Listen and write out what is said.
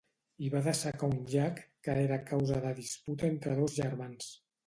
I va dessecar un llac que era causa de disputa entre dos germans.